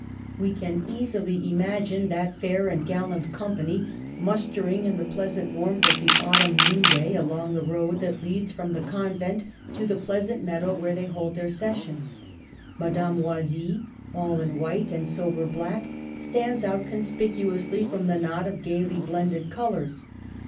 We can easily imagine that fair and gallant company, mustering in the pleasant warmth of the autumn noonday along the road that leads from the convent to the pleasant meadow where they hold their sessions. Madame Oisille, all in white and sober black, stands out conspicu ously from the knot of gayly blended colors.